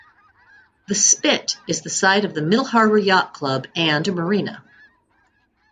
The Spit is the site of the Middle Harbour Yacht Club and a marina.